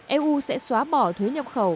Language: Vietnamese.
eu sẽ xóa bỏ thuế nhập khẩu